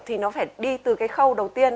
thì nó phải đi từ cái khâu đầu tiên